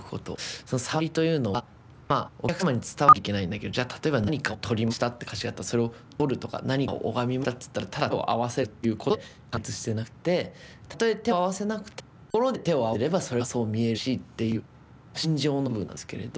そのサワリというのはまあお客様に伝わらなきゃいけないんだけどじゃ例えば「何かを取りました」っていう歌詞があるとそれを「取る」とか「何かを拝みました」といったらただ手を合わせるということで完結してなくてたとえ手を合わせなくても心で手を合わしてればそれがそう見えるしっていう心情の部分なんですけれど。